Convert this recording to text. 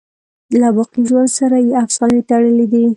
له باقی ژوند سره یې افسانې تړلي دي.